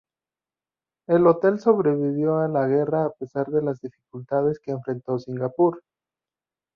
El hotel sobrevivió a la guerra a pesar de las dificultades que enfrentó Singapur.